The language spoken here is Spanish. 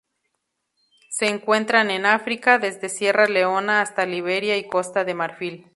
Se encuentran en África: desde Sierra Leona hasta Liberia y Costa de Marfil.